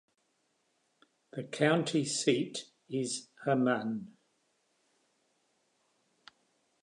The county seat is Hermann.